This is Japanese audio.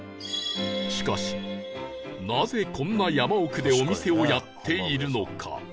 しかしなぜこんな山奥でお店をやっているのか？